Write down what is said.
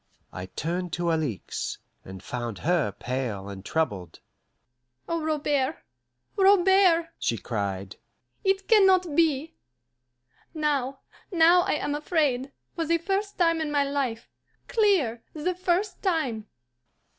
I turned to Alixe, and found her pale and troubled. "Oh, Robert, Robert!" she cried, "it can not be. Now, now I am afraid, for the first time in my life, clear, the first time!"